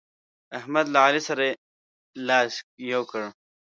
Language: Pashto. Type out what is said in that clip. احمد له علي سره لاس يو کړ.